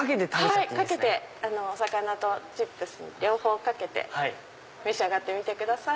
お魚とチップス両方かけて召し上がってみてください。